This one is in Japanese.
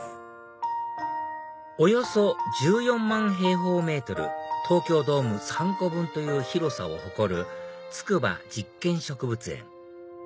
およそ１４万平方メートル東京ドーム３個分という広さを誇る筑波実験植物園